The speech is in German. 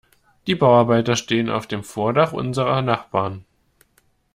Die Bauarbeiter stehen auf dem Vordach unserer Nachbarn.